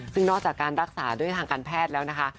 ซึ่งนอกจากการรักษาด้วยทางการแพทย์แล้วนะคะ